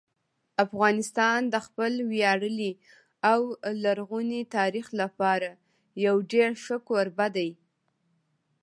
افغانستان د خپل ویاړلي او لرغوني تاریخ لپاره یو ډېر ښه کوربه دی.